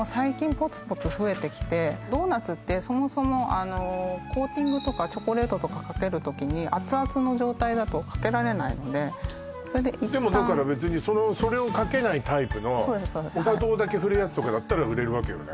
でもドーナツってそもそもコーティングとかチョコレートとかかける時に熱々の状態だとかけられないのでだから別にそれをかけないタイプのお砂糖だけ振るやつとかだったら売れるわけよね